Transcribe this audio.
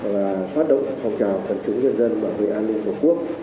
và phát động phòng trào phần chúng nhân dân bảo vệ an ninh của quốc